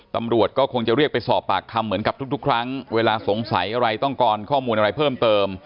ตำรวจก็คงจะเรียกไปสอบปากคำเหมือนกับทุกครั้งเวลาสงสัยอะไรต้องการข้อมูลอะไรเพิ่มเติม